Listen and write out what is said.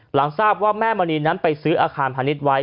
หลังทราบว่าแม่มณีนั้นไปซื้ออาคารพาณิชย์ไว้